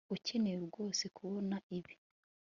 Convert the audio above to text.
Ukeneye rwose kubona ibi